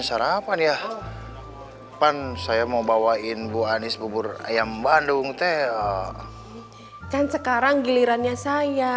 sarapan ya pan saya mau bawain bu anies bubur ayam bandung teh kan sekarang gilirannya saya